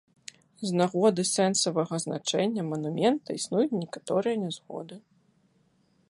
З нагоды сэнсавага значэння манумента існуюць некаторыя нязгоды.